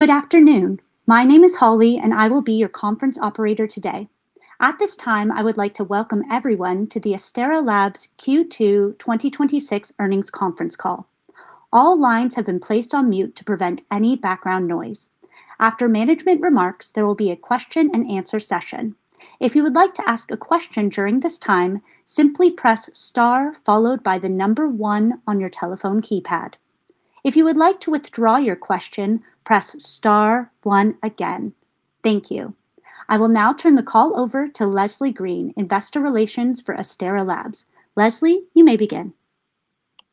Good afternoon. My name is Holly, and I will be your conference operator today. At this time, I would like to welcome everyone to the Astera Labs Q2 2026 earnings conference call. All lines have been placed on mute to prevent any background noise. After management remarks, there will be a question and answer session. If you would like to ask a question during this time, simply press star followed by the number one on your telephone keypad. If you would like to withdraw your question, press star one again. Thank you. I will now turn the call over to Leslie Green, investor relations for Astera Labs. Leslie, you may begin.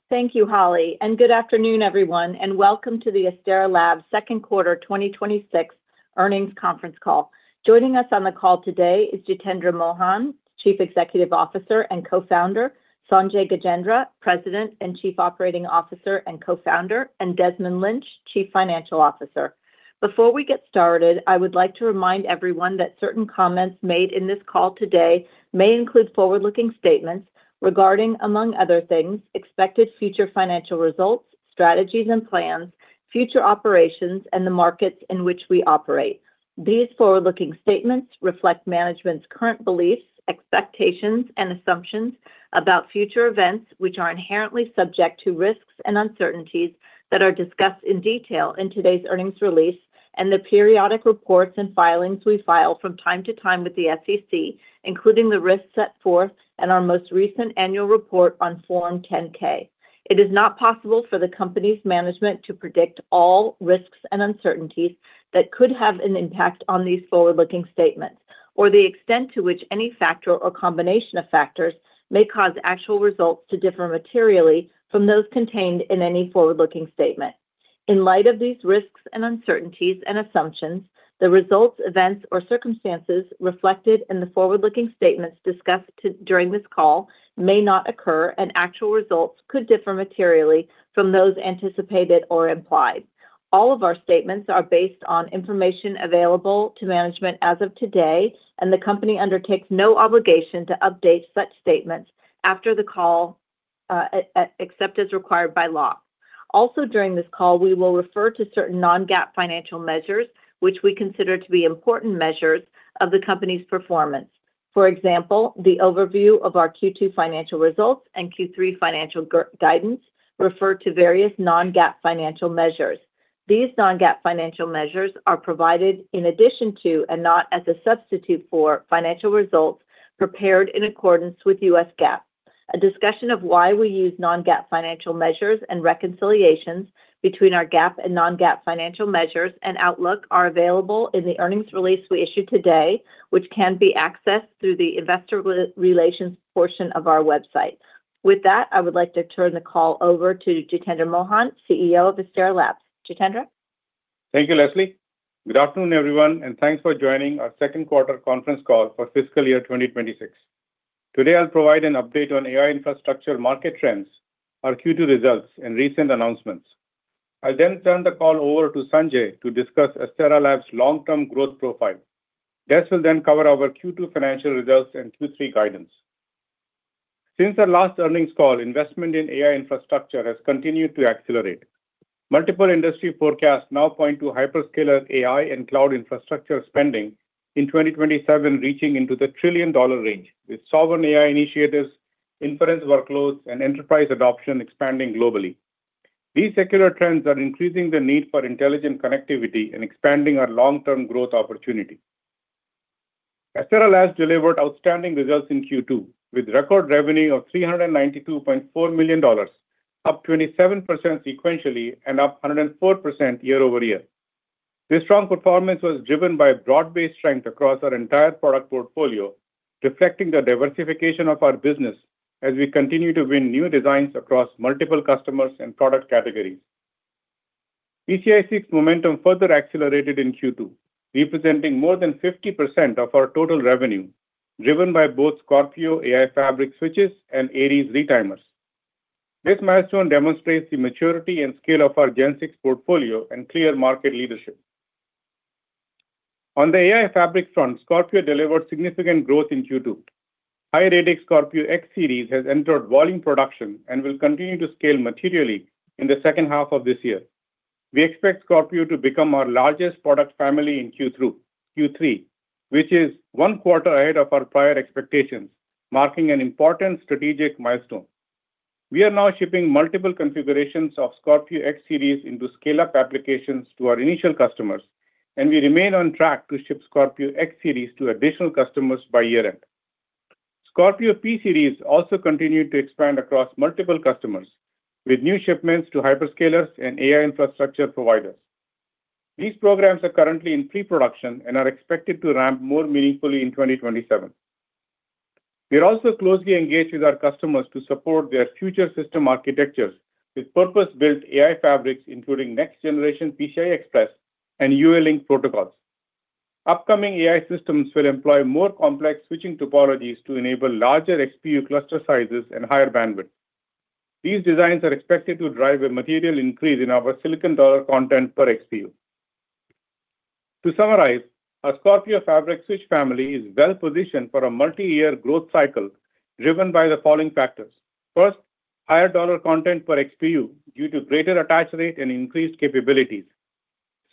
Thank you, Holly, and good afternoon, everyone, and welcome to the Astera Labs second quarter 2026 earnings conference call. Joining us on the call today is Jitendra Mohan, Chief Executive Officer and Co-founder; Sanjay Gajendra, President and Chief Operating Officer and Co-founder; and Desmond Lynch, Chief Financial Officer. Before we get started, I would like to remind everyone that certain comments made in this call today may include forward-looking statements regarding, among other things, expected future financial results, strategies and plans, future operations, and the markets in which we operate. These forward-looking statements reflect management's current beliefs, expectations, and assumptions about future events, which are inherently subject to risks and uncertainties that are discussed in detail in today's earnings release and the periodic reports and filings we file from time to time with the SEC, including the risks set forth in our most recent annual report on Form 10-K. It is not possible for the company's management to predict all risks and uncertainties that could have an impact on these forward-looking statements or the extent to which any factor or combination of factors may cause actual results to differ materially from those contained in any forward-looking statement. In light of these risks and uncertainties and assumptions, the results, events, or circumstances reflected in the forward-looking statements discussed during this call may not occur, and actual results could differ materially from those anticipated or implied. All of our statements are based on information available to management as of today, and the company undertakes no obligation to update such statements after the call, except as required by law. Also, during this call, we will refer to certain non-GAAP financial measures, which we consider to be important measures of the company's performance. For example, the overview of our Q2 financial results and Q3 financial guidance refer to various non-GAAP financial measures. These non-GAAP financial measures are provided in addition to, and not as a substitute for, financial results prepared in accordance with US GAAP. A discussion of why we use non-GAAP financial measures and reconciliations between our GAAP and non-GAAP financial measures and outlook are available in the earnings release we issued today, which can be accessed through the investor relations portion of our website. With that, I would like to turn the call over to Jitendra Mohan, CEO of Astera Labs. Jitendra? Thank you, Leslie. Good afternoon, everyone. thanks for joining our second quarter conference call for fiscal year 2026. Today, I'll provide an update on AI infrastructure market trends, our Q2 results, and recent announcements. I'll turn the call over to Sanjay to discuss Astera Labs' long-term growth profile. Des will cover our Q2 financial results and Q3 guidance. Since our last earnings call, investment in AI infrastructure has continued to accelerate. Multiple industry forecasts now point to hyperscaler AI and cloud infrastructure spending in 2027 reaching into the trillion-dollar range, with sovereign AI initiatives, inference workloads, and enterprise adoption expanding globally. These secular trends are increasing the need for intelligent connectivity and expanding our long-term growth opportunity. Astera Labs delivered outstanding results in Q2, with record revenue of $392.4 million, up 27% sequentially and up 104% year-over-year. This strong performance was driven by broad-based strength across our entire product portfolio, reflecting the diversification of our business as we continue to win new designs across multiple customers and product categories. PCIe 6 momentum further accelerated in Q2, representing more than 50% of our total revenue, driven by both Scorpio AI fabric switches and Aries retimers. This milestone demonstrates the maturity and scale of our Gen 6 portfolio and clear market leadership. On the AI fabric front, Scorpio delivered significant growth in Q2. High-radix Scorpio X-Series has entered volume production and will continue to scale materially in the second half of this year. We expect Scorpio to become our largest product family in Q3, which is one quarter ahead of our prior expectations, marking an important strategic milestone. We are now shipping multiple configurations of Scorpio X-Series into scale-up applications to our initial customers, we remain on track to ship Scorpio X-Series to additional customers by year-end. Scorpio P-Series also continued to expand across multiple customers, with new shipments to hyperscalers and AI infrastructure providers. These programs are currently in pre-production and are expected to ramp more meaningfully in 2027. We are also closely engaged with our customers to support their future system architectures with purpose-built AI fabrics, including next-generation PCI Express and UALink protocols. Upcoming AI systems will employ more complex switching topologies to enable larger XPU cluster sizes and higher bandwidth. These designs are expected to drive a material increase in our silicon dollar content per XPU. Our Scorpio fabric switch family is well-positioned for a multi-year growth cycle driven by the following factors. First, higher dollar content per XPU due to greater attach rate and increased capabilities.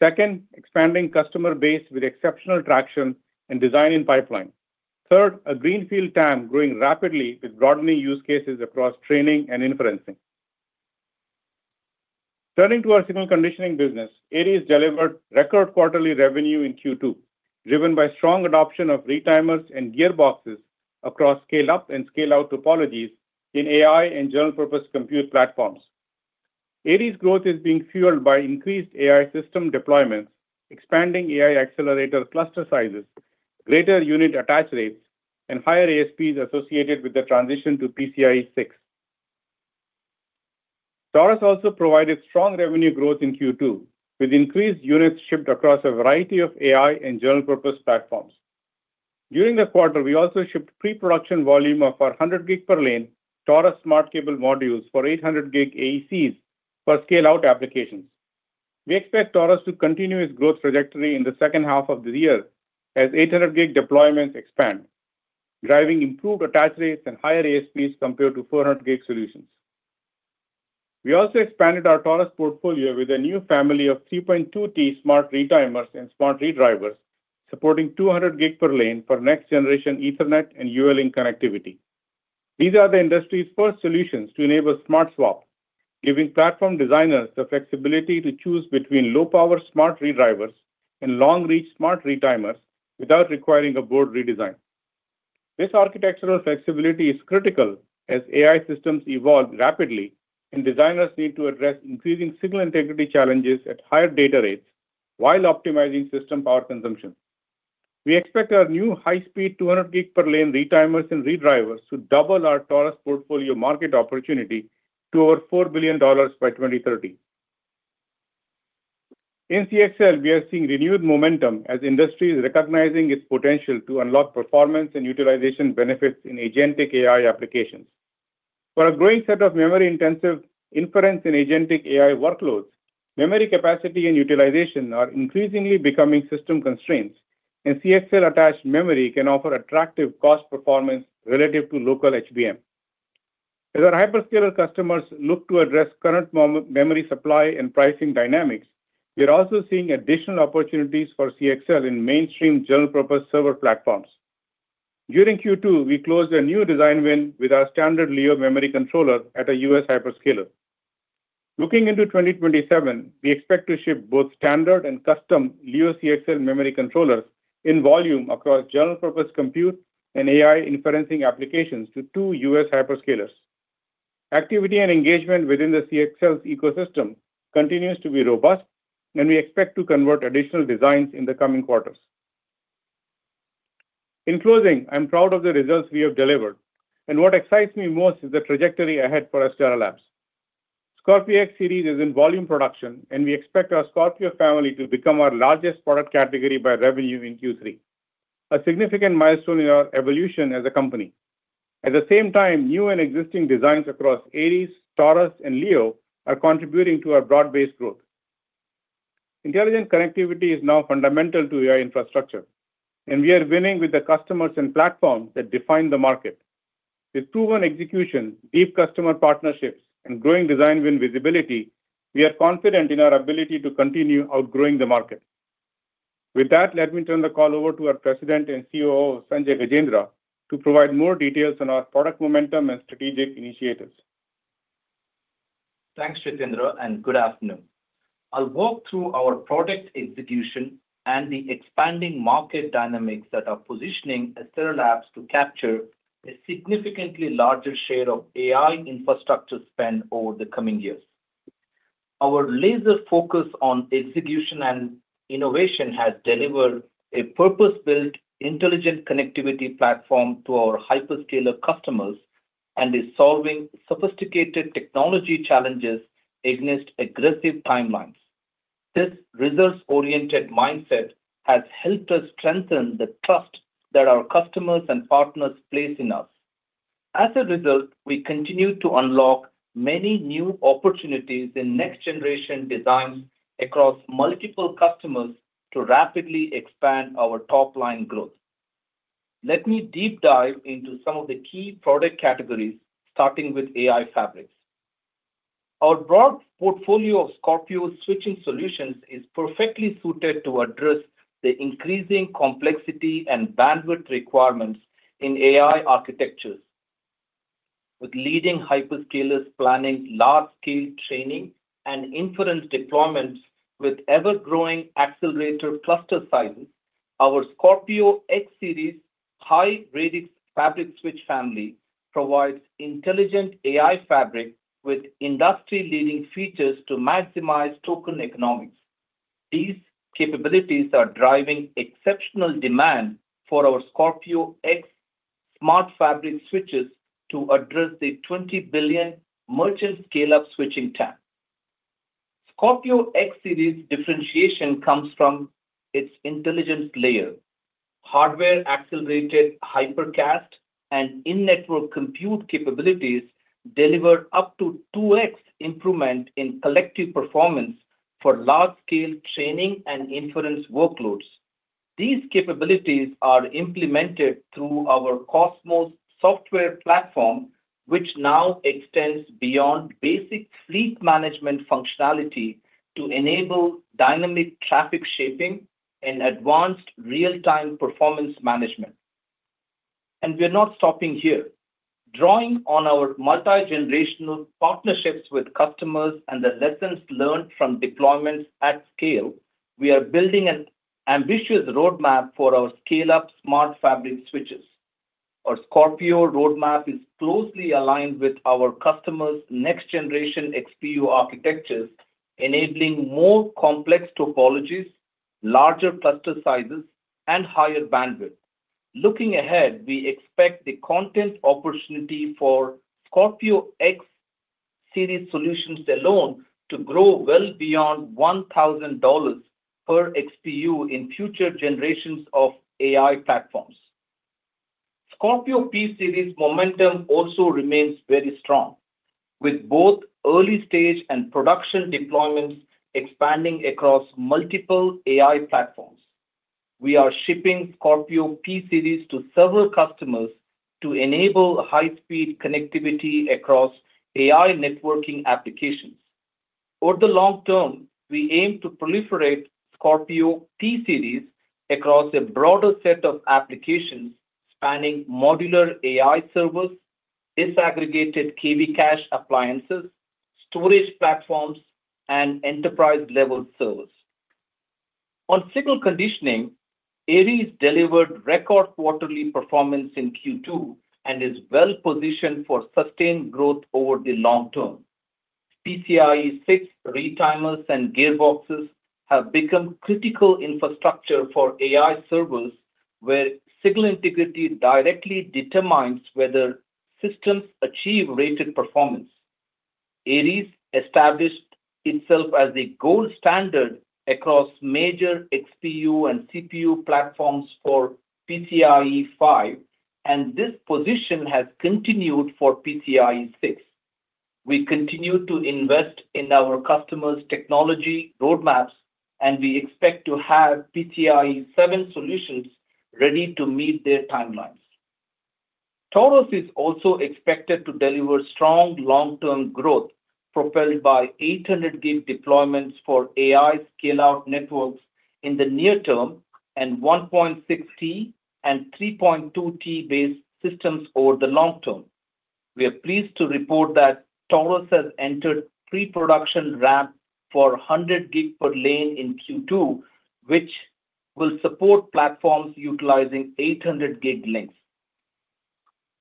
Second, expanding customer base with exceptional traction and design in pipeline. Third, a greenfield TAM growing rapidly with broadening use cases across training and inferencing. Our signal conditioning business, Aries, delivered record quarterly revenue in Q2, driven by strong adoption of retimers and gearboxes across scale-up and scale-out topologies in AI and general-purpose compute platforms. Aries growth is being fueled by increased AI system deployments, expanding AI accelerator cluster sizes, greater unit attach rates, and higher ASPs associated with the transition to PCIe 6. Taurus also provided strong revenue growth in Q2, with increased units shipped across a variety of AI and general-purpose platforms. During the quarter, we also shipped pre-production volume of our 100G per lane Taurus smart cable modules for 800G AECs for scale-out applications. We expect Taurus to continue its growth trajectory in the second half of the year as 800G deployments expand, driving improved attach rates and higher ASPs compared to 400G solutions. We also expanded our Taurus portfolio with a new family of 3.2T smart retimers and smart redrivers supporting 200G per lane for next-generation Ethernet and UALink connectivity. These are the industry's first solutions to enable smart swap, giving platform designers the flexibility to choose between low-power smart redrivers and long-reach smart retimers without requiring a board redesign. This architectural flexibility is critical as AI systems evolve rapidly and designers need to address increasing signal integrity challenges at higher data rates while optimizing system power consumption. We expect our new high-speed 200G per lane retimers and redrivers to double our Taurus portfolio market opportunity to over $4 billion by 2030. In CXL, we are seeing renewed momentum as industry is recognizing its potential to unlock performance and utilization benefits in agentic AI applications. For a growing set of memory-intensive inference and agentic AI workloads, memory capacity and utilization are increasingly becoming system constraints, and CXL-attached memory can offer attractive cost performance relative to local HBM. As our hyperscaler customers look to address current memory supply and pricing dynamics, we are also seeing additional opportunities for CXL in mainstream general-purpose server platforms. During Q2, we closed a new design win with our standard Leo memory controller at a U.S. hyperscaler. Looking into 2027, we expect to ship both standard and custom Leo CXL memory controllers in volume across general-purpose compute and AI inferencing applications to two U.S. hyperscalers. Activity and engagement within the CXL ecosystem continues to be robust, and we expect to convert additional designs in the coming quarters. In closing, I'm proud of the results we have delivered, and what excites me most is the trajectory ahead for Astera Labs. Scorpio X-Series is in volume production, and we expect our Scorpio family to become our largest product category by revenue in Q3, a significant milestone in our evolution as a company. At the same time, new and existing designs across Aries, Taurus, and Leo are contributing to our broad-based growth. Intelligent connectivity is now fundamental to AI infrastructure, and we are winning with the customers and platforms that define the market. With proven execution, deep customer partnerships, and growing design win visibility, we are confident in our ability to continue outgrowing the market. With that, let me turn the call over to our President and CEO, Sanjay Gajendra, to provide more details on our product momentum and strategic initiatives. Thanks, Jitendra, and good afternoon. I'll walk through our product execution and the expanding market dynamics that are positioning Astera Labs to capture a significantly larger share of AI infrastructure spend over the coming years. Our laser focus on execution and innovation has delivered a purpose-built, intelligent connectivity platform to our hyperscaler customers and is solving sophisticated technology challenges against aggressive timelines. This results-oriented mindset has helped us strengthen the trust that our customers and partners place in us. As a result, we continue to unlock many new opportunities in next-generation designs across multiple customers to rapidly expand our top-line growth. Let me deep dive into some of the key product categories, starting with AI fabrics. Our broad portfolio of Scorpio switching solutions is perfectly suited to address the increasing complexity and bandwidth requirements in AI architectures. With leading hyperscalers planning large-scale training and inference deployments with ever-growing accelerator cluster sizes, our Scorpio X-series high-radix fabric switch family provides intelligent AI fabric with industry-leading features to maximize token economics. These capabilities are driving exceptional demand for our Scorpio X smart fabric switches to address the $20 billion merchant scale-up switching TAM. Scorpio X-series differentiation comes from its intelligence layer. Hardware-accelerated Hyper-cast and in-network compute capabilities deliver up to 2x improvement in collective performance for large-scale training and inference workloads. These capabilities are implemented through our COSMOS software platform, which now extends beyond basic fleet management functionality to enable dynamic traffic shaping and advanced real-time performance management. We're not stopping here. Drawing on our multi-generational partnerships with customers and the lessons learned from deployments at scale, we are building an ambitious roadmap for our scale-up smart fabric switches. Our Scorpio roadmap is closely aligned with our customers' next-generation XPU architectures, enabling more complex topologies, larger cluster sizes, and higher bandwidth. Looking ahead, we expect the content opportunity for Scorpio X series solutions alone to grow well beyond $1,000 per XPU in future generations of AI platforms. Scorpio P-Series momentum also remains very strong, with both early-stage and production deployments expanding across multiple AI platforms. We are shipping Scorpio P-Series to several customers to enable high-speed connectivity across AI networking applications. Over the long term, we aim to proliferate Scorpio P-Series across a broader set of applications spanning modular AI servers, disaggregated KV cache appliances, storage platforms, and enterprise-level servers. On signal conditioning, Aries delivered record quarterly performance in Q2 and is well-positioned for sustained growth over the long term. PCIe 6.0 retimers and gearboxes have become critical infrastructure for AI servers, where signal integrity directly determines whether systems achieve rated performance. Aries established itself as the gold standard across major XPU and CPU platforms for PCIe 5.0, and this position has continued for PCIe 6.0. We continue to invest in our customers' technology roadmaps, and we expect to have PCIe 7.0 solutions ready to meet their timelines. Taurus is also expected to deliver strong long-term growth, propelled by 800G deployments for AI scale-out networks in the near term and 1.6T and 3.2T-based systems over the long term. We are pleased to report that Taurus has entered pre-production ramp for 100 gig per lane in Q2, which will support platforms utilizing 800G links.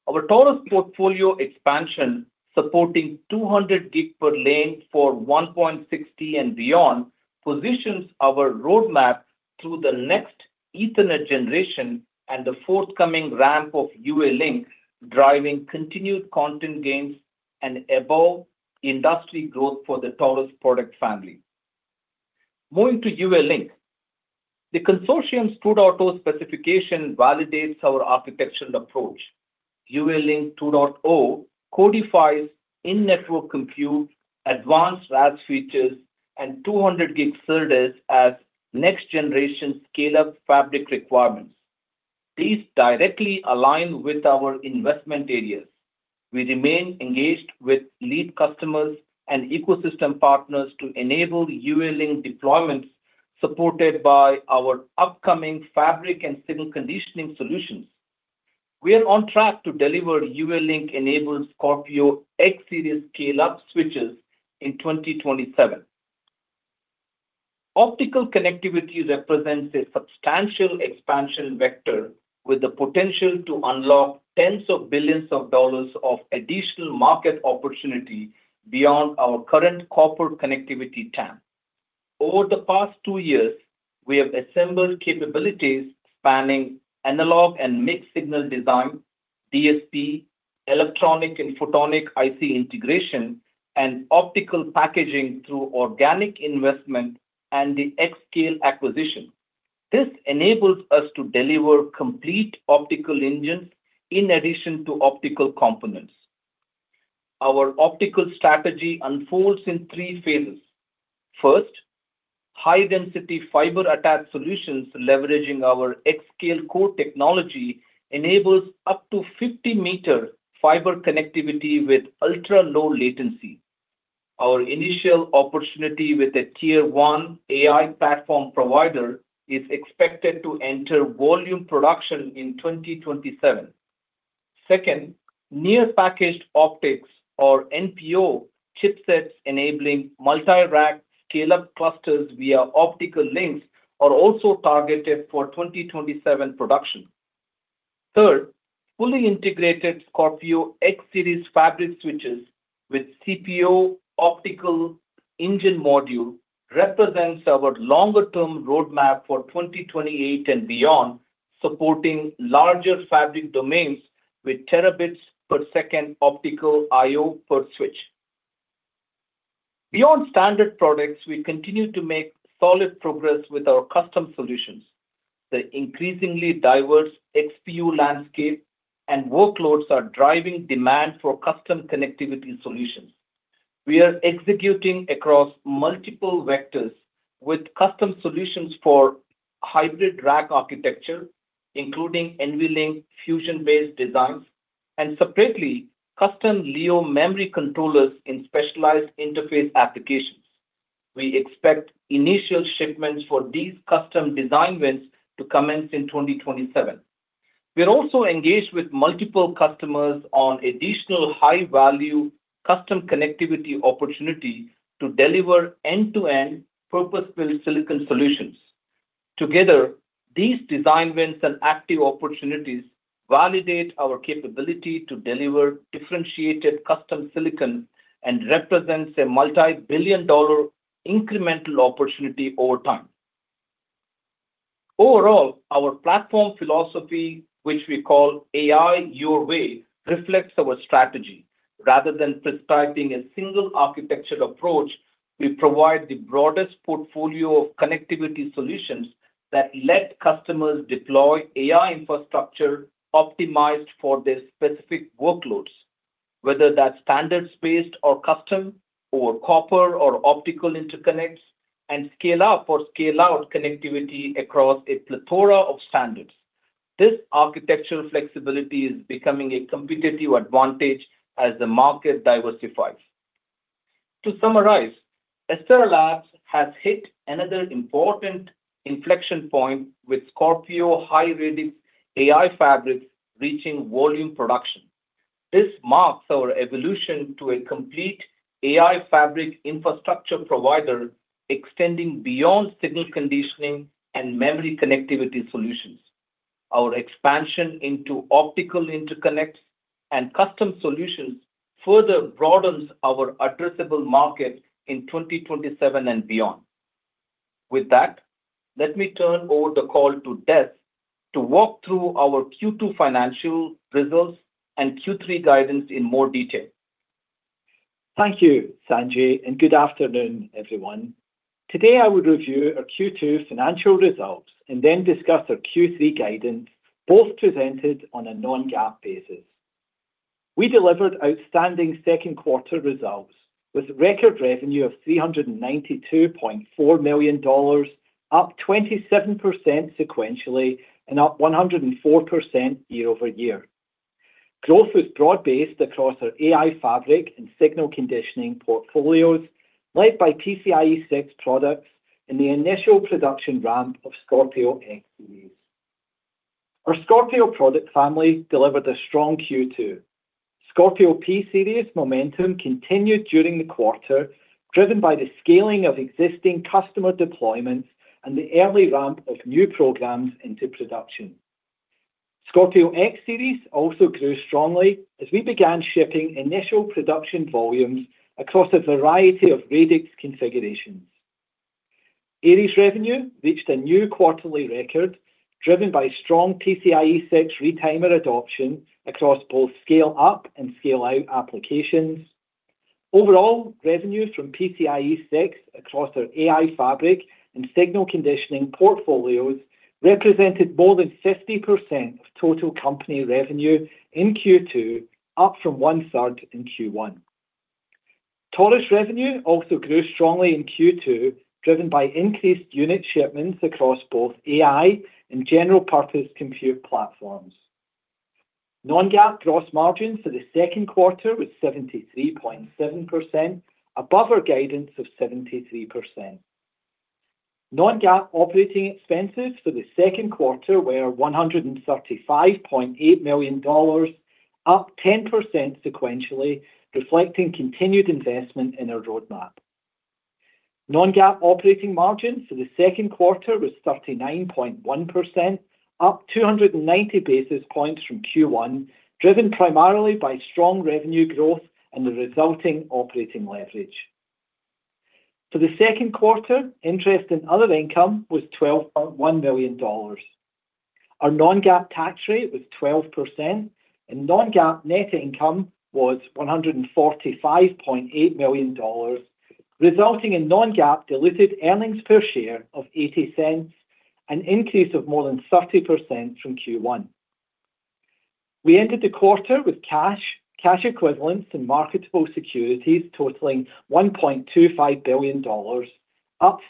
Our Taurus portfolio expansion supporting 200G per lane for 1.6T and beyond positions our roadmap through the next Ethernet generation and the forthcoming ramp of UALink, driving continued content gains and above-industry growth for the Taurus product family. Moving to UALink. The consortium's 2.0 specification validates our architectural approach. UALink 2.0 codifies in-network compute, advanced RAS features, and 200 gig SerDes as next-generation scale-up fabric requirements. These directly align with our investment areas. We remain engaged with lead customers and ecosystem partners to enable UALink deployments supported by our upcoming fabric and signal conditioning solutions. We are on track to deliver UALink-enabled Scorpio X Series scale-up switches in 2027. Optical connectivity represents a substantial expansion vector with the potential to unlock tens of billions of dollars of additional market opportunity beyond our current copper connectivity TAM. Over the past two years, we have assembled capabilities spanning analog and mixed signal design, DSP, electronic and photonic IC integration, and optical packaging through organic investment and the aiXscale acquisition. This enables us to deliver complete optical engines in addition to optical components. Our optical strategy unfolds in three phases. First, high-density fiber-attached solutions leveraging our aiXscale core technology enable up to 50-meter fiber connectivity with ultra-low latency. Our initial opportunity with a tier 1 AI platform provider is expected to enter volume production in 2027. Second, near packaged optics, or NPO, chipsets enabling multi-rack scale-up clusters via optical links are also targeted for 2027 production. Third, fully integrated Scorpio X-Series fabric switches with CPO optical engine modules represent our longer-term roadmap for 2028 and beyond, supporting larger fabric domains with terabits per second optical I/O per switch. Beyond standard products, we continue to make solid progress with our custom solutions. The increasingly diverse XPU landscape and workloads are driving demand for custom connectivity solutions. We are executing across multiple vectors with custom solutions for hybrid rack architecture, including NVLink fusion-based designs and, separately, custom Leo memory controllers in specialized interface applications. We expect initial shipments for these custom design wins to commence in 2027. We are also engaged with multiple customers on additional high-value custom connectivity opportunities to deliver end-to-end purpose-built silicon solutions. Together, these design wins and active opportunities validate our capability to deliver differentiated custom silicon and represents a multi-billion dollar incremental opportunity over time. Overall, our platform philosophy, which we call AI Your Way, reflects our strategy. Rather than prescribing a single architecture approach, we provide the broadest portfolio of connectivity solutions that let customers deploy AI infrastructure optimized for their specific workloads, whether that's standards-based or custom or copper or optical interconnects and scale-up or scale-out connectivity across a plethora of standards. This architectural flexibility is becoming a competitive advantage as the market diversifies. To summarize, Astera Labs has hit another important inflection point with Scorpio high-radix AI fabrics reaching volume production. This marks our evolution to a complete AI fabric infrastructure provider, extending beyond signal conditioning and memory connectivity solutions. Our expansion into optical interconnects and custom solutions further broadens our addressable market in 2027 and beyond. With that, let me turn over the call to Des to walk through our Q2 financial results and Q3 guidance in more detail. Thank you, Sanjay, and good afternoon, everyone. Today, I will review our Q2 financial results and then discuss our Q3 guidance, both presented on a non-GAAP basis. We delivered outstanding second quarter results with record revenue of $392.4 million, up 27% sequentially and up 104% year-over-year. Growth was broad-based across our AI fabric and signal conditioning portfolios, led by PCIe 6.0 products and the initial production ramp of Scorpio X-Series. Our Scorpio product family delivered a strong Q2. Scorpio P-Series momentum continued during the quarter, driven by the scaling of existing customer deployments and the early ramp of new programs into production. Scorpio X-Series also grew strongly as we began shipping initial production volumes across a variety of radix configurations. Aries revenue reached a new quarterly record driven by strong PCIe 6.0 retimer adoption across both scale-up and scale-out applications. Overall, revenues from PCIe 6.0 across our AI fabric and signal conditioning portfolios represented more than 50% of total company revenue in Q2, up from one-third in Q1. Taurus's revenue also grew strongly in Q2, driven by increased unit shipments across both AI and general-purpose compute platforms. Non-GAAP gross margins for the second quarter were 73.7%, above our guidance of 73%. Non-GAAP operating expenses for the second quarter were $135.8 million, up 10% sequentially, reflecting continued investment in our roadmap. Non-GAAP operating margins for the second quarter were 39.1%, up 290 basis points from Q1, driven primarily by strong revenue growth and the resulting operating leverage. For the second quarter, interest in other income was $12.1 million. Our non-GAAP tax rate was 12%, and non-GAAP net income was $145.8 million, resulting in non-GAAP diluted earnings per share of $0.80, an increase of more than 30% from Q1. We enter the quarter with cash, cash equivalents to marketable securities, totaling $1.25 billion, of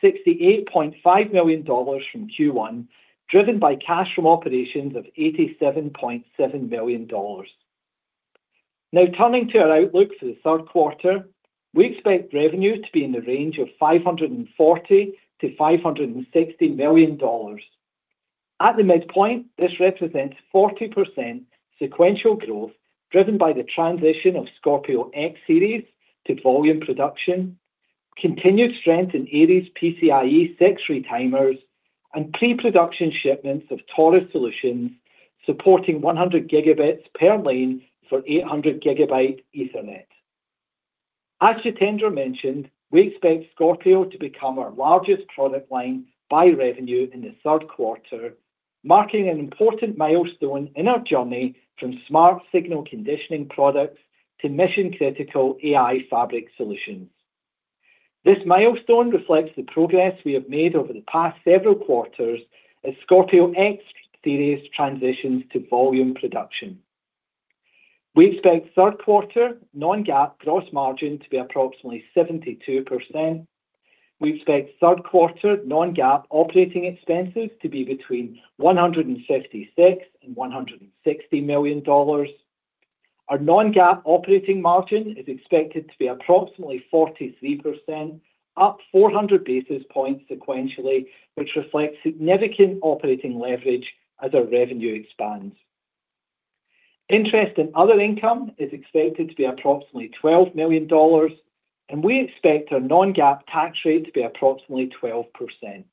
$68.5 million from Q1 driven by cash of $87.7 million. Turning to our outlook for the third quarter. We expect revenue to be in the range of $540 million-$560 million. At the midpoint, this represents 40% sequential growth driven by the transition of Scorpio X-Series to volume production, continued strength in Aries PCIe 6.0 retimers, and pre-production shipments of Taurus solutions supporting 100 gigabits per lane for 800-gigabit Ethernet. As Jitendra mentioned, we expect Scorpio to become our largest product line by revenue in the third quarter, marking an important milestone in our journey from smart signal conditioning products to mission-critical AI fabric solutions. This milestone reflects the progress we have made over the past several quarters as Scorpio X-Series transitions to volume production. We expect third quarter non-GAAP gross margin to be approximately 72%. We expect third-quarter non-GAAP operating expenses to be between $156 million and $160 million. Our non-GAAP operating margin is expected to be approximately 43%, up 400 basis points sequentially, which reflects significant operating leverage as our revenue expands. Interest in other income is expected to be approximately $12 million, and we expect our non-GAAP tax rate to be approximately 12%.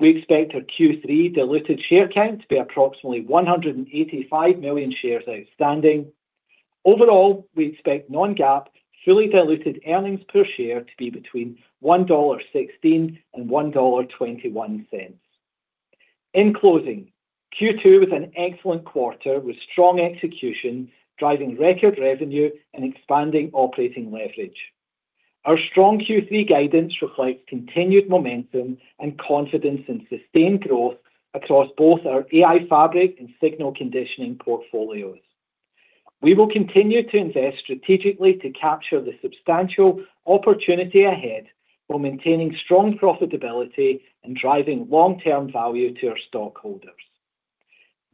We expect our Q3 diluted share count to be approximately 185 million shares outstanding. Overall, we expect non-GAAP fully diluted earnings per share to be between $1.16 and $1.21. In closing, Q2 was an excellent quarter with strong execution, driving record revenue and expanding operating leverage. Our strong Q3 guidance reflects continued momentum and confidence in sustained growth across both our AI fabric and signal conditioning portfolios. We will continue to invest strategically to capture the substantial opportunity ahead while maintaining strong profitability and driving long-term value to our stockholders.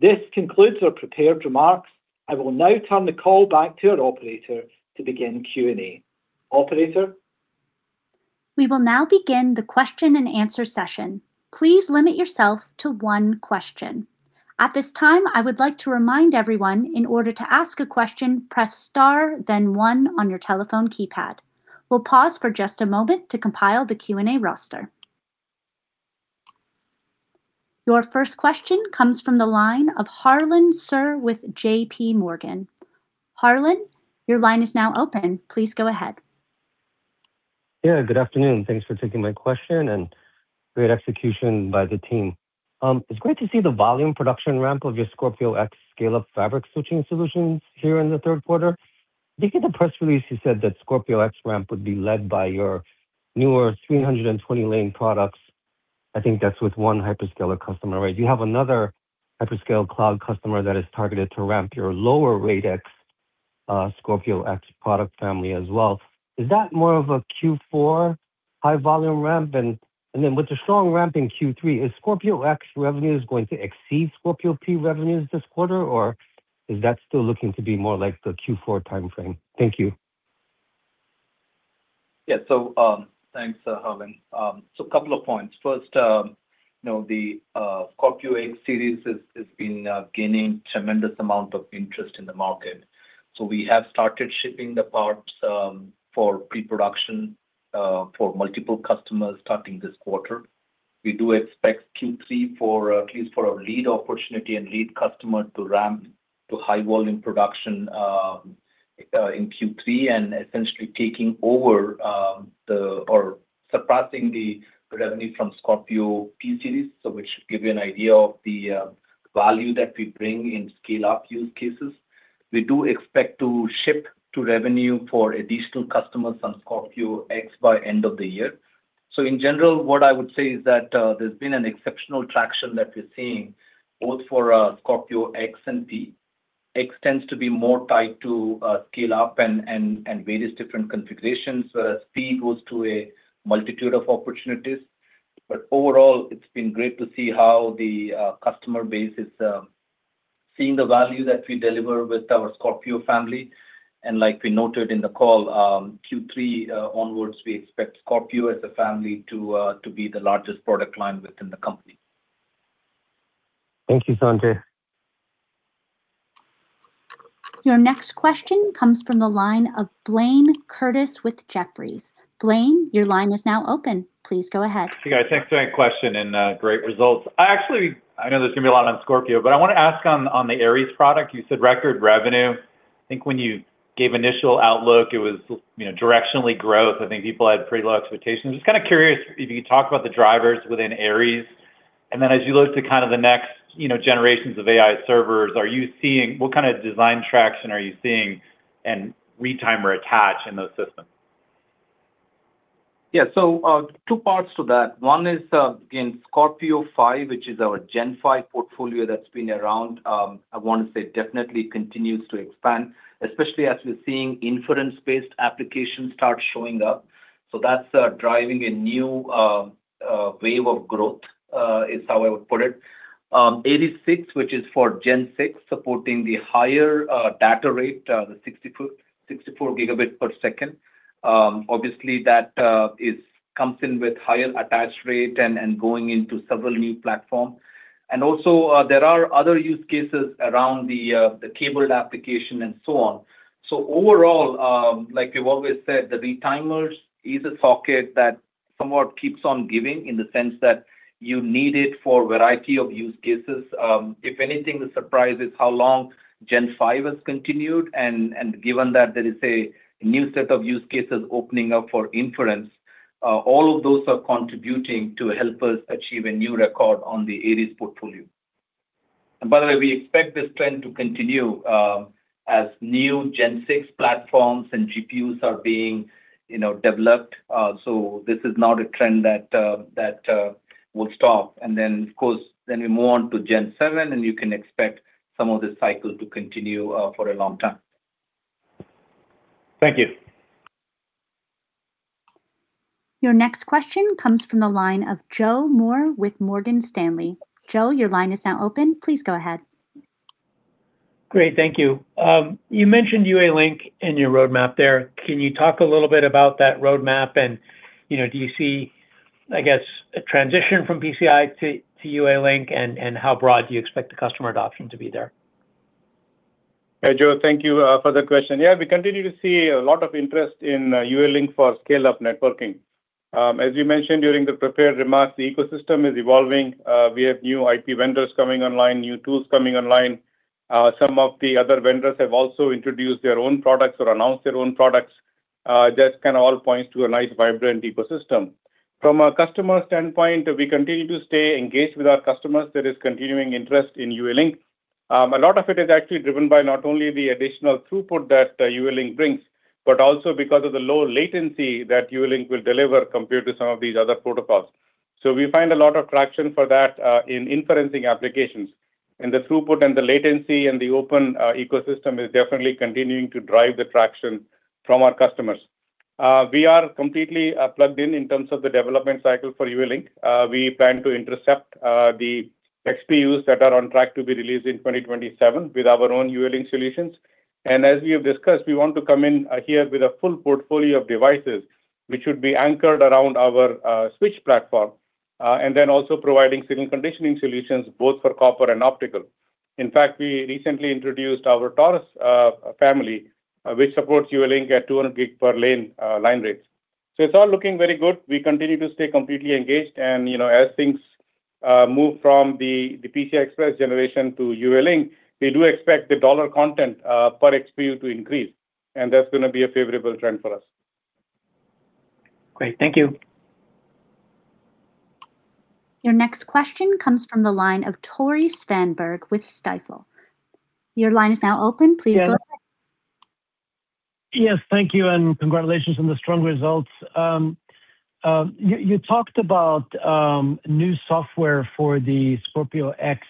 This concludes our prepared remarks. I will now turn the call back to our operator to begin Q&A. Operator? We will now begin the question-and-answer session. Please limit yourself to one question. At this time, I would like to remind everyone, in order to ask a question, press star then one on your telephone keypad. We'll pause for just a moment to compile the Q&A roster. Your first question comes from the line of Harlan Sur with J.P. Morgan. Harlan, your line is now open. Please go ahead. Good afternoon. Thanks for taking my question and great execution by the team. It's great to see the volume production ramp of your Scorpio X scale-up fabric switching solutions here in the third quarter. I think in the press release you said that Scorpio X ramp would be led by your newer 320-lane products. I think that's with one hyperscaler customer, right? Do you have another hyperscale cloud customer that is targeted to ramp your lower-rate X, Scorpio X product family, as well? Is that more of a Q4 high-volume ramp? With the strong ramp in Q3, is Scorpio X revenues going to exceed Scorpio P revenues this quarter, or is that still looking to be more like the Q4 timeframe? Thank you. Thanks, Harlan. A couple of points. First, the Scorpio X-Series has been gaining tremendous amount of interest in the market. We have started shipping the parts for pre-production for multiple customers starting this quarter. We do expect Q3 at least for our lead opportunity and lead customer to ramp to high-volume production in Q3 and essentially taking over, or surpassing the revenue from Scorpio P-Series. Which should give you an idea of the value that we bring in scale-up use cases. We do expect to ship to revenue for additional customers on Scorpio X by end of the year. In general, what I would say is that there's been an exceptional traction that we're seeing both for Scorpio X and P. X tends to be more tied to scale-up and various different configurations. P goes to a multitude of opportunities. Overall it's been great to see how the customer base is seeing the value that we deliver with our Scorpio family. Like we noted in the call, Q3 onwards, we expect Scorpio as a family to be the largest product line within the company. Thank you, Sanjay. Your next question comes from the line of Blayne Curtis with Jefferies. Blayne, your line is now open. Please go ahead. Hey, guys. Thanks for taking my question and great results. I know there's going to be a lot on Scorpio, I want to ask on the Aries product; you said record revenue. I think when you gave initial outlook, it was directionally growth. I think people had pretty low expectations. Just kind of curious if you could talk about the drivers within Aries, and then as you look to kind of the next generations of AI servers, what kind of design traction are you seeing and retimer attach in those systems? Yeah. Two parts to that. One is, again, Aries 5, which is our gen 5 portfolio that's been around; I want to say definitely continues to expand, especially as we're seeing inference-based applications start showing up. That's driving a new wave of growth, is how I would put it. Aries 6, which is for gen 6, supporting the higher data rate, the 64 gigabits per second. Obviously that comes in with higher attach rate and going into several new platforms. Also, there are other use cases around the cabled application and so on. Overall, like we've always said, the retimer is a socket that somewhat keeps on giving in the sense that you need it for a variety of use cases. If anything, the surprise is how long Gen 5 has continued, and given that there is a new set of use cases opening up for inference, all of those are contributing to help us achieve a new record on the Aries portfolio. By the way, we expect this trend to continue as new Gen 6 platforms and GPUs are being developed. This is not a trend that will stop. Then, of course, then we move on to Gen 7. You can expect some of this cycle to continue for a long time. Thank you. Your next question comes from the line of Joseph Moore with Morgan Stanley. Joe, your line is now open. Please go ahead. Great. Thank you. You mentioned UALink in your roadmap there. Can you talk a little bit about that roadmap and, do you see, I guess, a transition from PCI to UALink and how broad do you expect the customer adoption to be there? Hey, Joe. Thank you for the question. Yeah, we continue to see a lot of interest in UALink for scale-up networking. As you mentioned during the prepared remarks, the ecosystem is evolving. We have new IP vendors coming online, new tools coming online. Some of the other vendors have also introduced their own products or announced their own products. That kind of all points to a nice, vibrant ecosystem. From a customer standpoint, we continue to stay engaged with our customers. There is continuing interest in UALink. A lot of it is actually driven by not only the additional throughput that UALink brings but also because of the low latency that UALink will deliver compared to some of these other protocols. We find a lot of traction for that in inferencing applications. The throughput and the latency and the open ecosystem is definitely continuing to drive the traction from our customers. We are completely plugged in terms of the development cycle for UALink. We plan to intercept the XPUs that are on track to be released in 2027 with our own UALink solutions. As we have discussed, we want to come in here with a full portfolio of devices, which would be anchored around our switch platform. Then also providing signal conditioning solutions both for copper and optical. In fact, we recently introduced our Taurus family, which supports UALink at 200 gig per lane line rates. It's all looking very good. We continue to stay completely engaged, as things move from the PCI Express generation to UALink, we do expect the dollar content per XPU to increase; that's going to be a favorable trend for us. Great. Thank you. Your next question comes from the line of Tore Svanberg with Stifel. Your line is now open. Please go ahead. Yes. Thank you; congratulations on the strong results. You talked about new software for the Scorpio X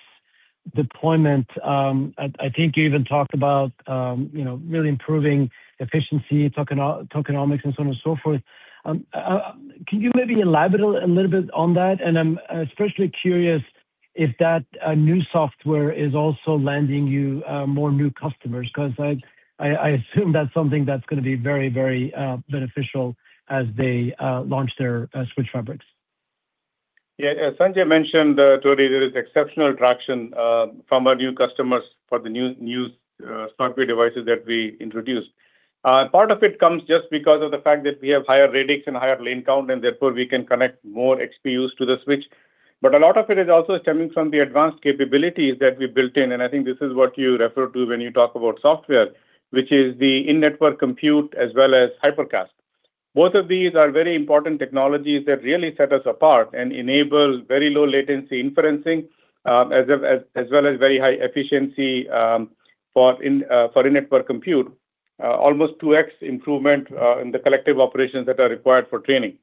deployment. I think you even talked about really improving efficiency, tokenomics, and so on and so forth. Can you maybe elaborate a little bit on that? I'm especially curious if that new software is also landing you more new customers, because I assume that's something that's going to be very beneficial as they launch their switch fabrics. Yeah. As Sanjay mentioned, Tore, there is exceptional traction from our new customers for the new software devices that we introduced. Part of it comes just because of the fact that we have higher radix and higher lane count; therefore, we can connect more XPUs to the switch. A lot of it is also stemming from the advanced capabilities that we built in, I think this is what you refer to when you talk about software, which is the in-network compute as well as HyperCast. Both of these are very important technologies that really set us apart and enable very low latency inferencing as well as very high efficiency for in-network compute. Almost 2x improvement in the collective operations that are required for training.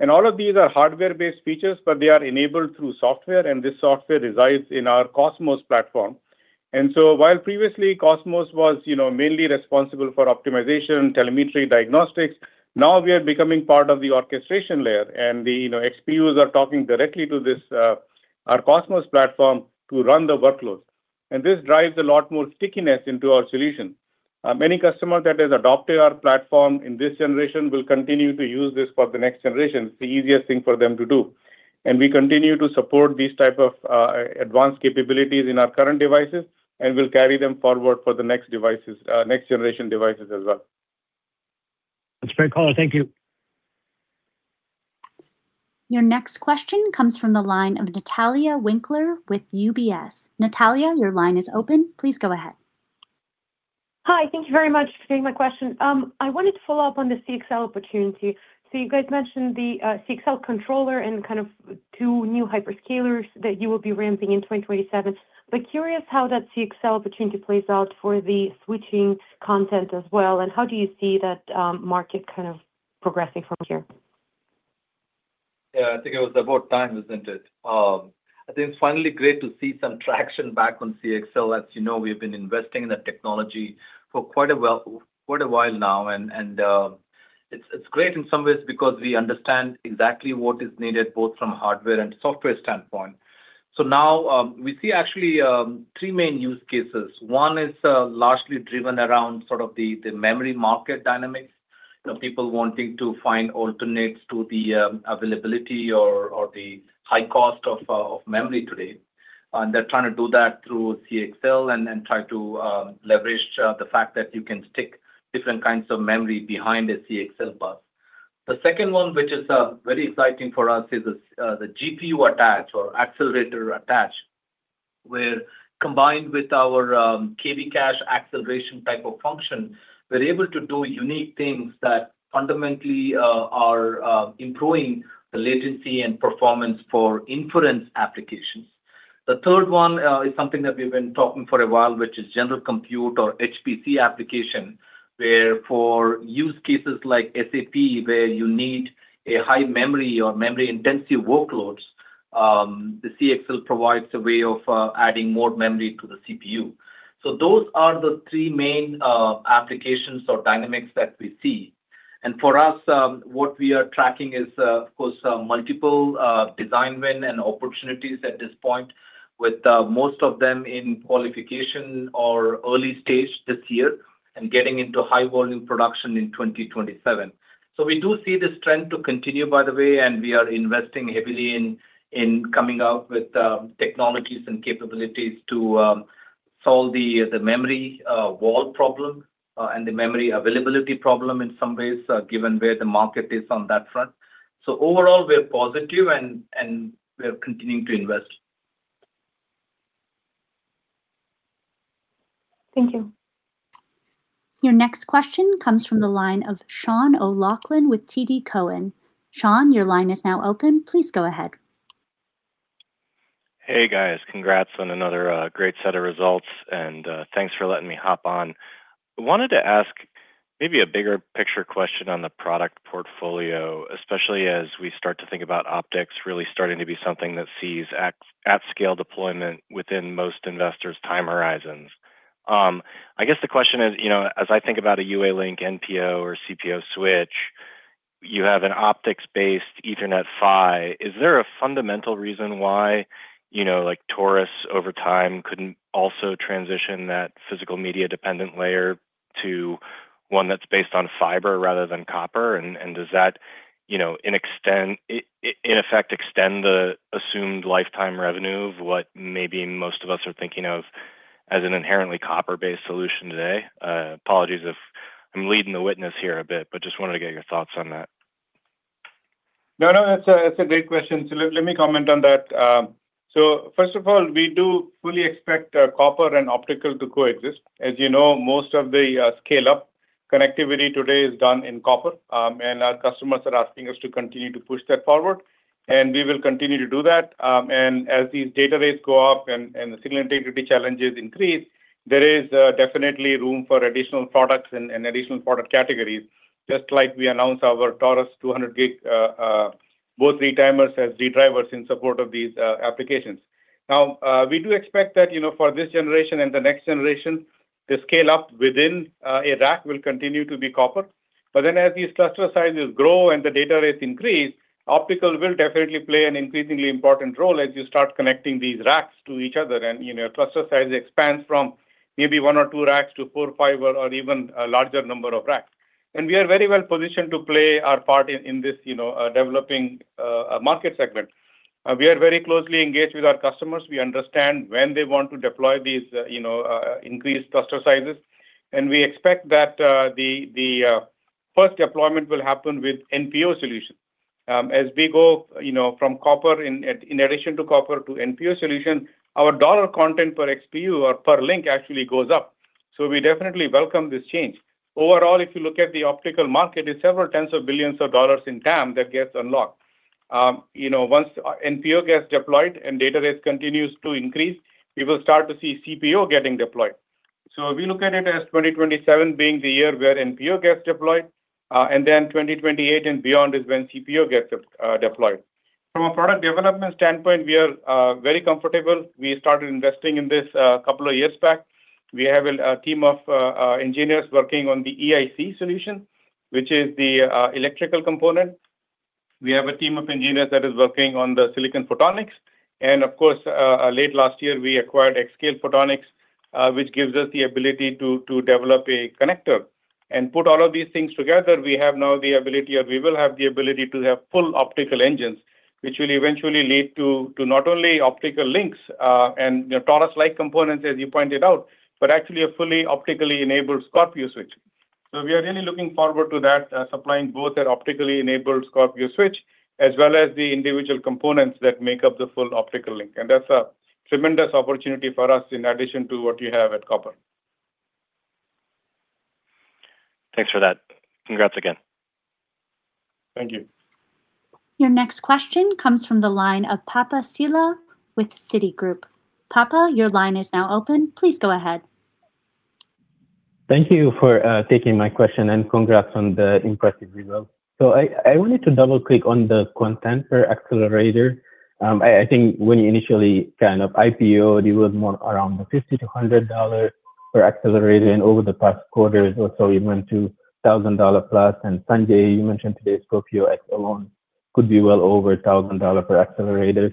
All of these are hardware-based features, but they are enabled through software, and this software resides in our COSMOS platform. While previously COSMOS was mainly responsible for optimization, telemetry, diagnostics, now we are becoming part of the orchestration layer. The XPUs are talking directly to our COSMOS platform to run the workloads. This drives a lot more stickiness into our solution. Many customers that have adopted our platform in this generation will continue to use this for the next generation. It's the easiest thing for them to do. We continue to support these types of advanced capabilities in our current devices, and we'll carry them forward for the next generation devices as well. That's very clear. Thank you. Your next question comes from the line of Natalia Winkler with UBS. Natalia, your line is open. Please go ahead. Hi. Thank you very much for taking my question. I wanted to follow up on the CXL opportunity. You guys mentioned the CXL controller and kind of two new hyperscalers that you will be ramping in 2027. Curious how that CXL opportunity plays out for the switching content as well, and how do you see that market kind of progressing from here? Yeah, I think it was about time, isn't it? I think it's finally great to see some traction back on CXL. As you know, we've been investing in the technology for quite a while now, and it's great in some ways because we understand exactly what is needed both from a hardware and software standpoint. Now, we see actually three main use cases. One is largely driven around the memory market dynamics. People wanting to find alternates to the availability or the high cost of memory today. They're trying to do that through CXL and try to leverage the fact that you can stick different kinds of memory behind a CXL bus. The second one, which is very exciting for us, is the GPU attach or accelerator attach, where combined with our KV cache acceleration type of function, we're able to do unique things that fundamentally are improving the latency and performance for inference applications The third one is something that we've been talking for a while, which is general compute or HPC application, where for use cases like SAP, where you need a high memory or memory-intensive workload, the CXL provides a way of adding more memory to the CPU. Those are the three main applications or dynamics that we see. For us, what we are tracking is, of course, multiple design win and opportunities at this point, with most of them in qualification or early stage this year and getting into high-volume production in 2027. We do see this trend to continue, by the way, and we are investing heavily in coming out with technologies and capabilities to solve the memory wall problem and the memory availability problem in some ways, given where the market is on that front. Overall, we are positive and we are continuing to invest. Thank you. Your next question comes from the line of Sean O'Loughlin with TD Cowen. Sean, your line is now open. Please go ahead. Hey, guys. Congrats on another great set of results, and thanks for letting me hop on. I wanted to ask maybe a bigger picture question on the product portfolio, especially as we start to think about optics really starting to be something that sees at-scale deployment within most investors' time horizons. I guess the question is, as I think about a UALink, NPO, or CPO switch, you have an optics-based Ethernet PHY. Is there a fundamental reason why Taurus over time couldn't also transition that physical media-dependent layer to one that's based on fiber rather than copper? Does that, in effect, extend the assumed lifetime revenue of what maybe most of us are thinking of as an inherently copper-based solution today? Apologies if I'm leading the witness here a bit, but I just wanted to get your thoughts on that. No, that's a great question. Let me comment on that. First of all, we do fully expect copper and optical to coexist. As you know, most of the scale-up connectivity today is done in copper, and our customers are asking us to continue to push that forward, and we will continue to do that. As these data rates go up and the signal integrity challenges increase, there is definitely room for additional products and additional product categories, just like we announced our Taurus 200G, both retimers as drivers in support of these applications. We do expect that for this generation and the next generation, the scale-up within a rack will continue to be copper. As these cluster sizes grow and the data rates increase, optical will definitely play an increasingly important role as you start connecting these racks to each other and cluster size expands from maybe one or two racks to four, five, or even a larger number of racks. We are very well positioned to play our part in this developing market segment. We are very closely engaged with our customers. We understand when they want to deploy these increased cluster sizes, and we expect that the first deployment will happen with NPO solution. As we go from copper, in addition to copper, to NPO solution, our dollar content per XPU or per link actually goes up. We definitely welcome this change. Overall, if you look at the optical market, it's several tens of billions of dollars in TAM that gets unlocked. Once NPO gets deployed and data rates continues to increase, we will start to see CPO getting deployed. We look at it as 2027 being the year where NPO gets deployed; 2028 and beyond is when CPO gets deployed. From a product development standpoint, we are very comfortable. We started investing in this a couple of years back. We have a team of engineers working on the EIC solution, which is the electrical component. We have a team of engineers that is working on the silicon photonics. Of course, late last year, we acquired aiXscale Photonics, which gives us the ability to develop a connector. Put all of these things together, we have now the ability, or we will have the ability, to have full optical engines, which will eventually lead to not only optical links and Taurus-like components, as you pointed out, but actually a fully optically enabled Scorpio switch. We are really looking forward to that, supplying both an optically enabled Scorpio switch as well as the individual components that make up the full optical link. That's a tremendous opportunity for us in addition to what we have at copper. Thanks for that. Congrats again. Thank you. Your next question comes from the line of Papa Sylla with Citigroup. Papa, your line is now open. Please go ahead. Thank you for taking my question. Congrats on the impressive results. I wanted to double-click on the content for accelerator. I think when you initially kind of IPO'd, it was more around the $50-$100 for accelerator, and over the past quarters or so, it went to $1,000+. Sanjay, you mentioned today Scorpio X alone could be well over $1,000 per accelerator.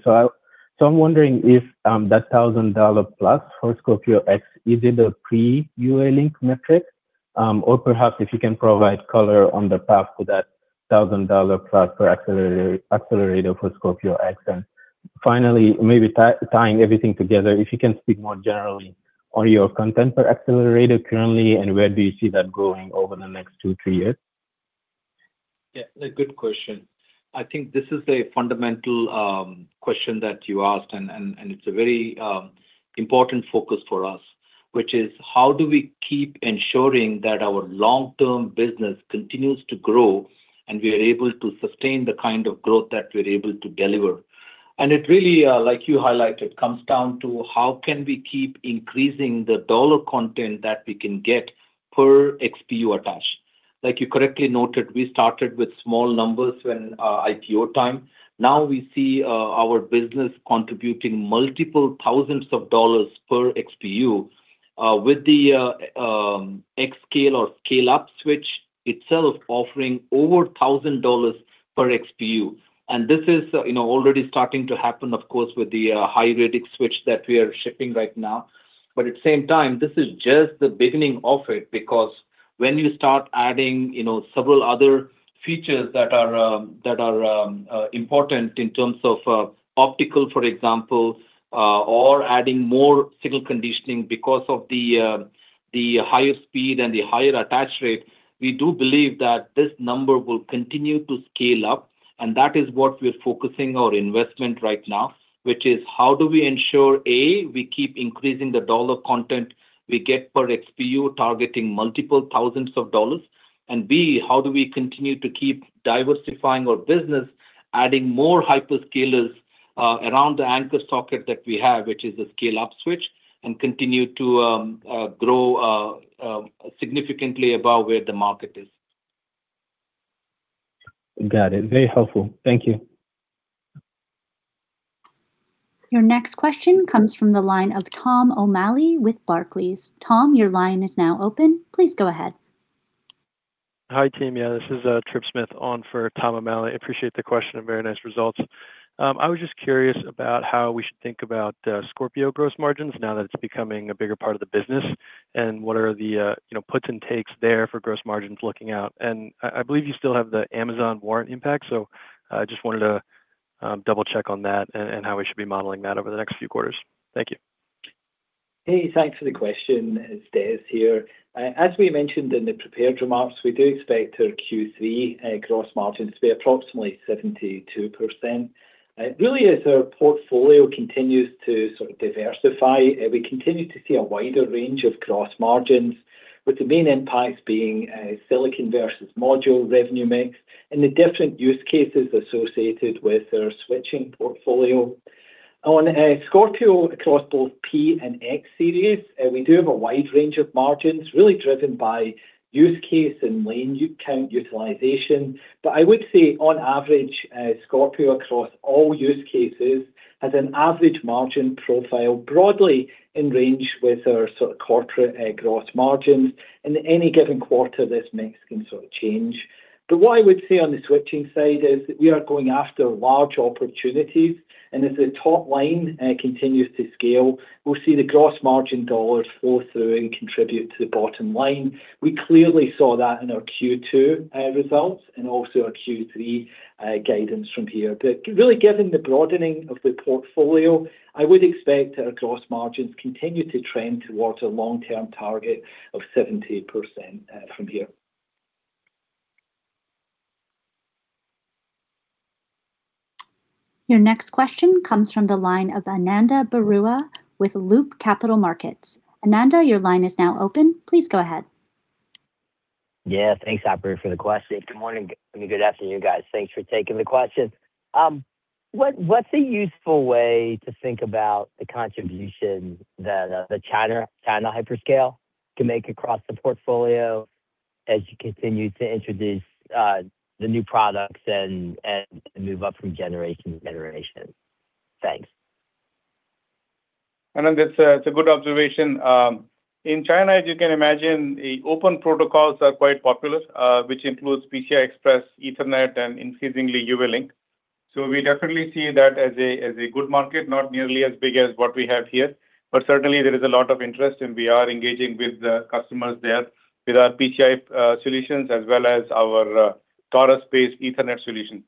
I'm wondering if that $1,000+ for Scorpio X is it a pre-UALink metric. Perhaps if you can provide color on the path to that $1,000+ per accelerator for Scorpio X. Finally, maybe tying everything together, if you can speak more generally on your content per accelerator currently, and where do you see that growing over the next 2-3 years? Yeah, a good question. I think this is a fundamental question that you asked, and it's a very important focus for us, which is how do we keep ensuring that our long-term business continues to grow, and we are able to sustain the kind of growth that we're able to deliver? It really, like you highlighted, comes down to how can we keep increasing the dollar content that we can get per XPU attached. Like you correctly noted, we started with small numbers when IPO time. Now we see our business contributing multiple thousands of dollars per XPU with the X scale or scale-up switch itself offering over $1,000 per XPU. This is already starting to happen, of course, with the high-radix switch that we are shipping right now. At the same time, this is just the beginning of it, because when you start adding several other features that are important in terms of optical, for example, or adding more signal conditioning because of the higher speed and the higher attach rate, we do believe that this number will continue to scale up. That is what we are focusing our investment right now, which is how do we ensure, A, we keep increasing the dollar content we get per XPU targeting multiple thousands of dollars, and B, how do we continue to keep diversifying our business, adding more hyperscalers around the anchor socket that we have, which is a scale-up switch, and continue to grow significantly above where the market is. Got it. Very helpful. Thank you. Your next question comes from the line of Tom O'Malley with Barclays. Tom, your line is now open. Please go ahead. Hi, team. This is Trip Smith on for Tom O'Malley. Appreciate the question and very nice results. I was just curious about how we should think about Scorpio's gross margins now that it's becoming a bigger part of the business and what are the puts and takes there for gross margins looking out. I believe you still have the Amazon warrant impact, so I just wanted to double-check on that and how we should be modeling that over the next few quarters. Thank you. Hey, thanks for the question. It's Des here. As we mentioned in the prepared remarks, we do expect our Q3 gross margins to be approximately 72%. Really, as our portfolio continues to sort of diversify, we continue to see a wider range of gross margins, with the main impacts being silicon versus module revenue mix and the different use cases associated with our switching portfolio. On Scorpio across both P and X Series, we do have a wide range of margins, really driven by use case and lane count utilization. I would say, on average, Scorpio across all use cases has an average margin profile broadly in range with our corporate gross margins. In any given quarter, this mix can change. What I would say on the switching side is that we are going after large opportunities, and as the top line continues to scale, we'll see the gross margin dollars flow through and contribute to the bottom line. We clearly saw that in our Q2 results and also our Q3 guidance from here. Really, given the broadening of the portfolio, I would expect our gross margins continue to trend towards a long-term target of 70% from here. Your next question comes from the line of Ananda Baruah with Loop Capital Markets. Ananda, your line is now open. Please go ahead. Thanks, operator, for the question. Good morning, I mean, good afternoon, guys. Thanks for taking the question. What's a useful way to think about the contribution that the China hyperscale can make across the portfolio as you continue to introduce the new products and move up from generation to generation? Thanks. Ananda, it's a good observation. In China, as you can imagine, open protocols are quite popular, which includes PCI Express, Ethernet, and increasingly, NVLink. We definitely see that as a good market, not nearly as big as what we have here, but certainly there is a lot of interest, and we are engaging with the customers there with our PCI solutions as well as our Taurus-based Ethernet solution.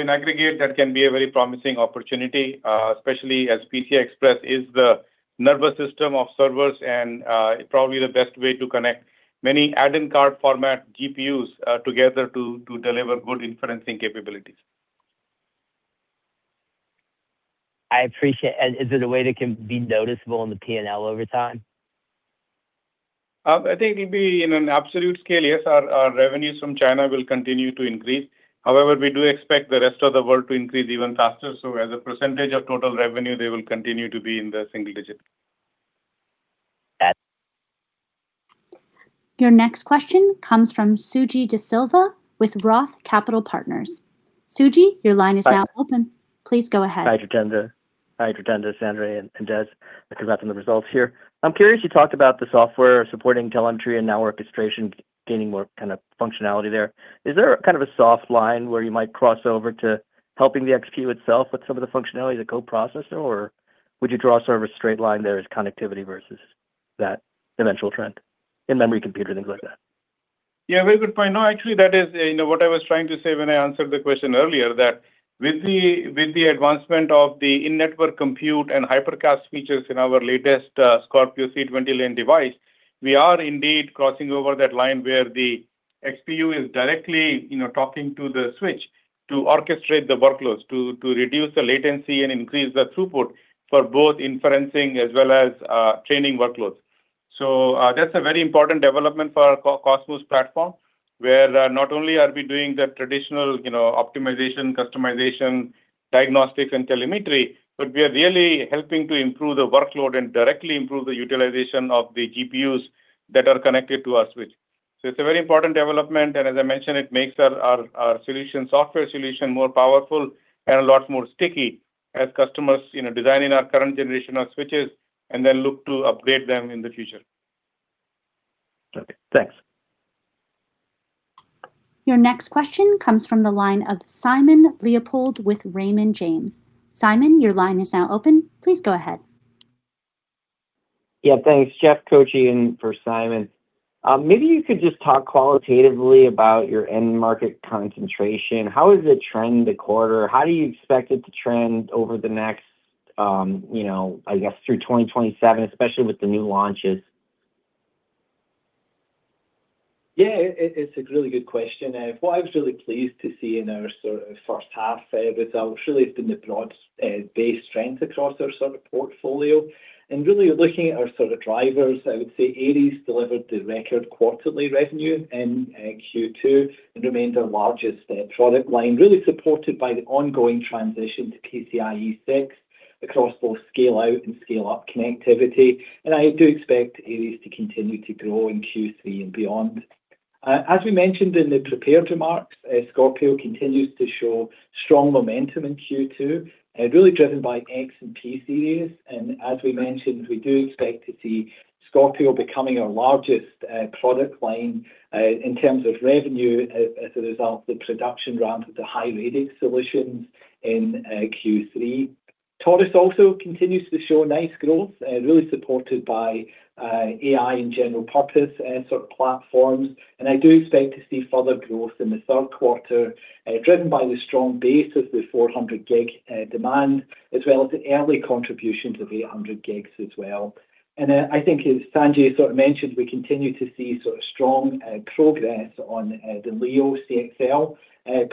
In aggregate, that can be a very promising opportunity, especially as PCI Express is the nervous system of servers and probably the best way to connect many add-in card-format GPUs together to deliver good inferencing capabilities. I appreciate. Is it a way that can be noticeable in the PNL over time? I think it'll be in an absolute scale; yes, our revenues from China will continue to increase. However, we do expect the rest of the world to increase even faster. As a percentage of total revenue, they will continue to be in the single digits. Got it. Your next question comes from Suji Desilva with Roth Capital Partners. Suji, your line is now open. Please go ahead. Hi, Jitendra. Hi, Jitendra, Sanjay, and Des. Congrats on the results here. I'm curious; you talked about the software supporting telemetry and now orchestration gaining more kind of functionality there. Is there a kind of a soft line where you might cross over to helping the XPU itself with some of the functionality as a coprocessor, or would you draw sort of a straight line there as connectivity versus that eventual trend in memory, compute, and things like that? Very good point. Actually, that is what I was trying to say when I answered the question earlier: that with the advancement of the in-network compute and Hypercast features in our latest Scorpio 320-lane device, we are indeed crossing over that line where the XPU is directly talking to the switch to orchestrate the workloads, to reduce the latency, and increase the throughput for both inferencing as well as training workloads. That's a very important development for our COSMOS platform, where not only are we doing the traditional optimization, customization, diagnostic, and telemetry, but we are really helping to improve the workload and directly improve the utilization of the GPUs that are connected to our switch. It's a very important development, and as I mentioned, it makes our software solution more powerful and a lot more sticky as customers designing our current generation of switches and then look to upgrade them in the future. Okay, thanks. Your next question comes from the line of Simon Leopold with Raymond James. Simon, your line is now open. Please go ahead. Yeah, thanks. Jeff Koche in for Simon. Maybe you could just talk qualitatively about your end market concentration. How has it trended the quarter? How do you expect it to trend over the next, I guess, through 2027, especially with the new launches? Yeah, it's a really good question. What I was really pleased to see in our first half is that, really, it's been a broad-based strength across our product portfolio. Really looking at our drivers, I would say Aries delivered the record quarterly revenue in Q2 and remained our largest product line, really supported by the ongoing transition to PCIe 6.0 across both scale-out and scale-up connectivity. I do expect Aries to continue to grow in Q3 and beyond. As we mentioned in the prepared remarks, Scorpio continues to show strong momentum in Q2, really driven by X and P Series. As we mentioned, we do expect to see Scorpio becoming our largest product line in terms of revenue as a result of the production ramp of the high-radix solutions in Q3. Taurus also continues to show nice growth, really supported by AI and general-purpose platforms. I do expect to see further growth in the third quarter, driven by the strong base of the 400 gig demand, as well as the early contributions of 800 gigs as well. I think as Sanjay mentioned, we continue to see strong progress on the Leo CXL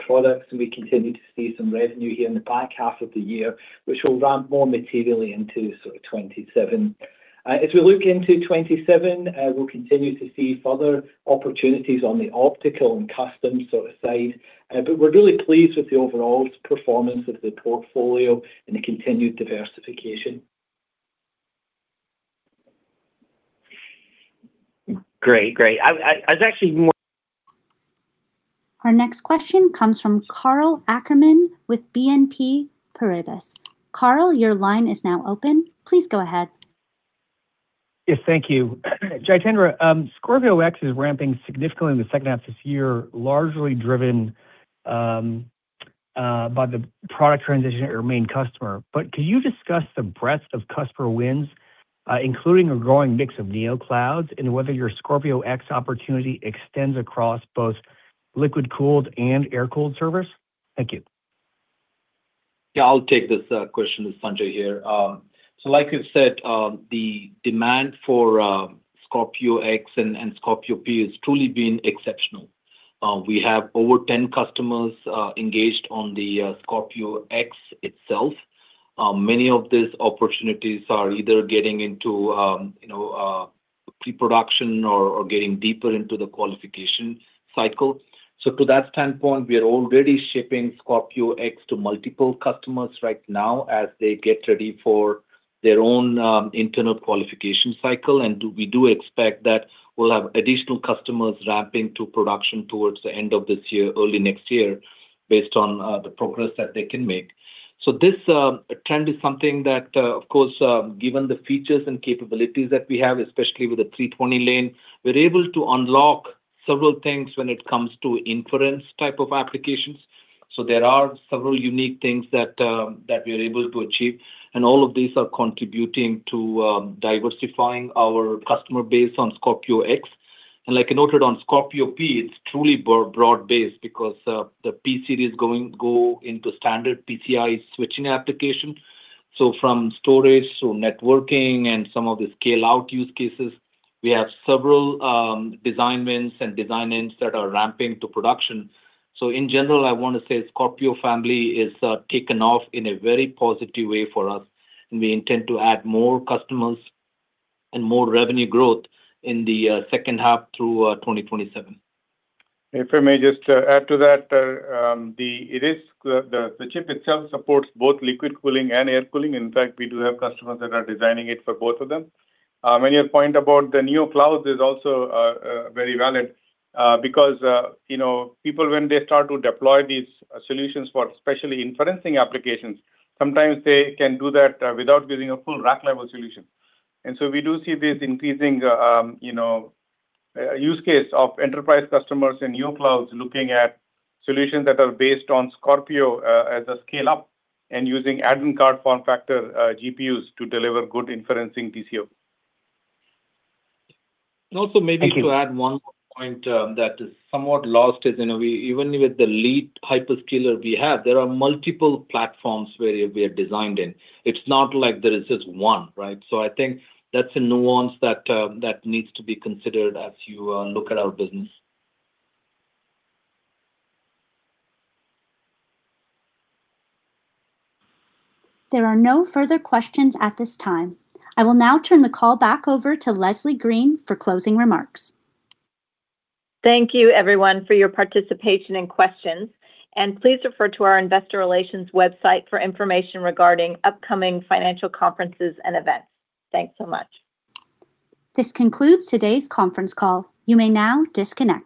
products, and we continue to see some revenue here in the back half of the year, which will ramp more materially into 2027. As we look into 2027, we'll continue to see further opportunities on the optical and custom side. We're really pleased with the overall performance of the portfolio and the continued diversification. Great. Our next question comes from Karl Ackerman with BNP Paribas. Karl, your line is now open. Please go ahead. Yes, thank you. Jitendra, Scorpio X is ramping significantly in the second half of this year, largely driven by the product transition at your main customer. Could you discuss the breadth of customer wins, including a growing mix of neo clouds, and whether your Scorpio X opportunity extends across both liquid-cooled and air-cooled servers? Thank you. Yeah, I'll take this question. It's Sanjay here. Like we've said, the demand for Scorpio X and Scorpio P has truly been exceptional. We have over 10 customers engaged on the Scorpio X itself. Many of these opportunities are either getting into pre-production or getting deeper into the qualification cycle. To that standpoint, we are already shipping Scorpio X to multiple customers right now as they get ready for their own internal qualification cycle. We do expect that we'll have additional customers ramping to production towards the end of this year, early next year, based on the progress that they can make. This trend is something that, of course, given the features and capabilities that we have, especially with the 320-lane, we're able to unlock several things when it comes to inference-type applications. There are several unique things that we are able to achieve, and all of these are contributing to diversifying our customer base on Scorpio X. Like I noted on Scorpio P, it's truly broad-based because the P series go into standard PCI switching applications. From storage to networking and some of the scale-out use cases, we have several design wins and design-ins that are ramping to production. In general, I want to say Scorpio family is taking off in a very positive way for us, and we intend to add more customers and more revenue growth in the second half through 2027. If I may just add to that, the chip itself supports both liquid cooling and air cooling. In fact, we do have customers that are designing it for both of them. Your point about the neo clouds is also very valid, because people, when they start to deploy these solutions for especially inferencing applications, sometimes they can do that without building a full rack-level solution. We do see this increasing use case of enterprise customers and neo-clouds looking at solutions that are based on Scorpio as a scale-up and using add-in card form factor GPUs to deliver good inferencing TCO. Thank you. Also maybe to add one more point that is somewhat lost is even with the lead hyperscaler we have, there are multiple platforms where we are designed in. It's not like there is just one, right? I think that's a nuance that needs to be considered as you look at our business. There are no further questions at this time. I will now turn the call back over to Leslie Green for closing remarks. Thank you, everyone, for your participation and questions. Please refer to our investor relations website for information regarding upcoming financial conferences and events. Thanks so much. This concludes today's conference call. You may now disconnect.